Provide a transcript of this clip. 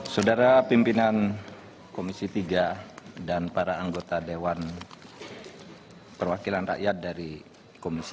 saudara pimpinan komisi tiga dan para anggota dewan perwakilan rakyat dari komisi tiga